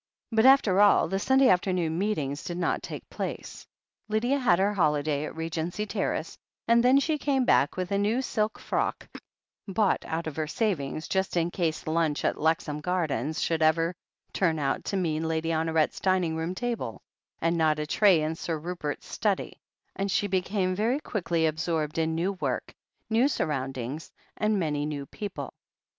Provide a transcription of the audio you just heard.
But, after all, the Sunday afternoon meetings did not take place. Lydia had her holiday at Regency Terrace, and then she came back with a new silk frock, bought out of her savings, just in case lunch at Lexham Gardens should 1 THE HEEL OF ACHILLES 255 ever turn out to mean Lady Honoret's dining room table, and not a tray in Sir Rupert's study, and she became very quickly absorbed in new work, new sur roundings, and many new people.